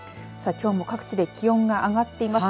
きょうも各地で気温が上がっています。